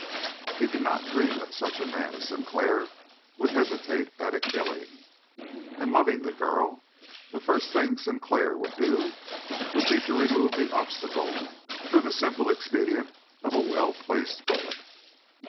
He did not dream that such a man as Sinclair would hesitate at a killing. And, loving the girl, the first thing Sinclair would do would be to remove the obstacle through the simple expedient of a well placed bullet.